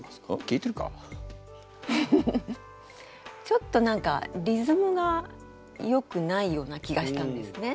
ちょっと何かリズムがよくないような気がしたんですね。